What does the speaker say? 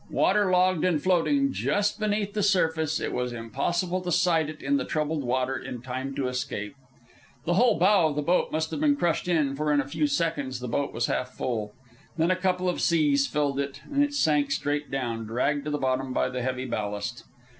Water logged and floating just beneath the surface, it was impossible to sight it in the troubled water in time to escape. The whole bow of the boat must have been crushed in, for in a few seconds the boat was half full. Then a couple of seas filled it, and it sank straight down, dragged to bottom by the heavy ballast.